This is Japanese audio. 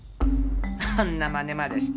あんなマネまでして。